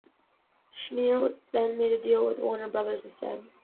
Schneer then made a deal with Warner Brothers instead.